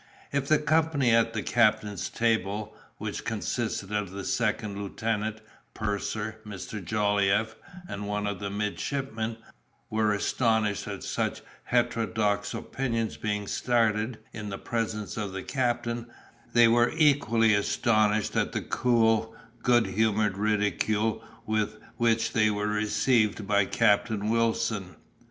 If the company at the captain's table, which consisted of the second lieutenant, purser, Mr. Jolliffe, and one of the midshipmen, were astonished at such heterodox opinions being started in the presence of the captain, they were equally astonished at the cool, good humored ridicule with which they were received by Captain Wilson.